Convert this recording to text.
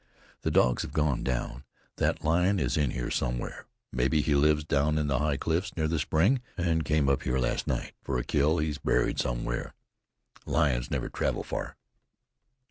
The dogs have gone down. That lion is in here somewhere. Maybe he lives down in the high cliffs near the spring and came up here last night for a kill he's buried somewhere. Lions never travel far.